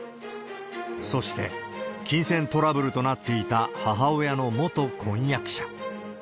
そして金銭トラブルとなっていた母親の元婚約者。